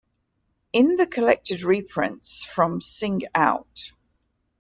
In The Collected Reprints from Sing Out!